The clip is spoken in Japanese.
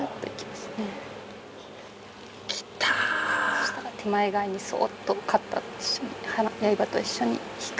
そしたら手前側にそっとカッターと一緒に刃と一緒に引く。